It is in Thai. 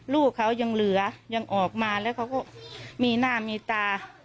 ลูกเขายังเหลือยังออกมาแล้วเขาก็มีหน้ามีตา